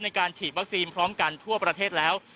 ในการฉีดวัคซีนพร้อมกันทั่วประเทศแล้ว